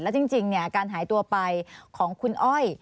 จริงการหายตัวไปของคุณอ้อย